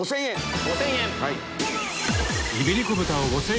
５０００円。